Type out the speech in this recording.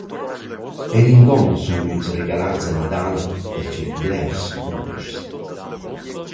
Eir ingon sun gnüts regalats a Nadal darcheu blers cudeschs.